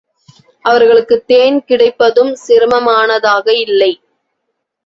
அவர்களுக்குத் தேன் கிடைப்பதும் சிரமமானதாக இல்லை.